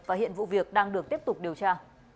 và hiện vụ việc đang được tiếp tục điều tra